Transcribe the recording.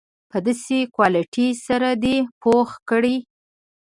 په داسې کوالیټي سره دې پوخ کړي.